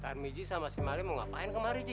tarmi ji sama si malin mau ngapain kemarin ji